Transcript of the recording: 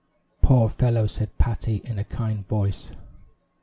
"Poor fellow," said Patty, in a kind voice.